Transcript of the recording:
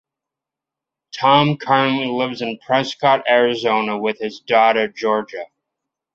Tom currently lives in Prescott Arizona with his daughter, Georgia.